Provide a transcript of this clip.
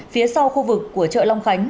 phía sau khu vực của chợ long khánh